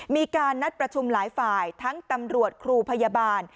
มีการนัดประชุมหลายฝ่ายทั้งตำรวจครูพยาบาล